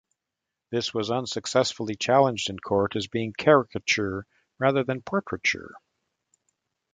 This was unsuccessfully challenged in court as being caricature rather than portraiture.